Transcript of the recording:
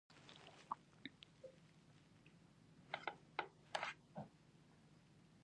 د زړه ورتوب او زورورتوب ساری نشته.